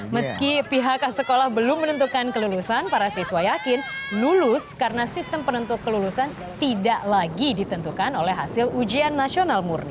meski pihak sekolah belum menentukan kelulusan para siswa yakin lulus karena sistem penentu kelulusan tidak lagi ditentukan oleh hasil ujian nasional murni